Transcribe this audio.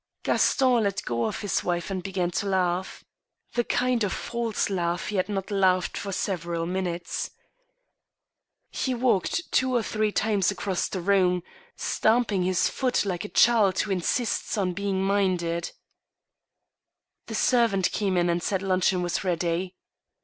Gaston let go of his wife and began to laugh— the kind of false laugh he had not laughed for several minutes. He walked two or three times across the room, stamping his foot like a child who in sists on being minded. The servant came in and said luncheon was ready.